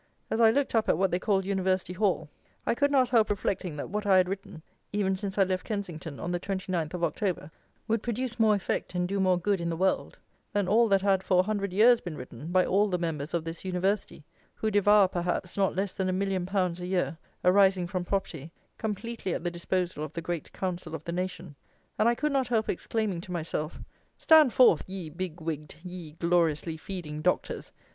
As I looked up at what they call University Hall, I could not help reflecting that what I had written, even since I left Kensington on the 29th of October, would produce more effect, and do more good in the world, than all that had for a hundred years been written by all the members of this University, who devour, perhaps, not less than a million pounds a year, arising from property, completely at the disposal of the "Great Council of the Nation;" and I could not help exclaiming to myself: "Stand forth, ye big wigged, ye gloriously feeding Doctors!